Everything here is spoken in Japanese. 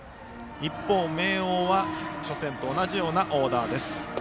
一方、明桜は初戦と同じようなオーダーです。